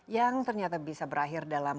yang ternyata bisa berakhir dalam